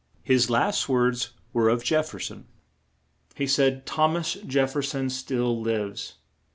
His last words were of Jef fer son. He said: "Thom as Jef fer son still lives."